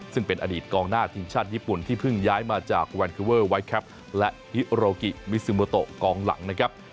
ซึ่งเป็นอดีตกองหน้าทีมชาติญี่ปุ่นที่เพิ่งย้ายมาจากแวนคิเวอร์ไวทแคปและฮิโรกิมิซึโมโตกองหลังนะครับ